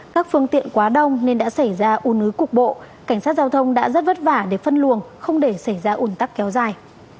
các phương tiện quá đông nên đã xảy ra ủ nứ cục bộ cảnh sát giao thông đã rất vất vả để phân luồng không để xảy ra ủn tắc kéo dài